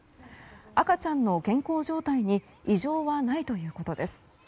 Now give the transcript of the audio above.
赤ちゃんの健康状態に異常はないということです。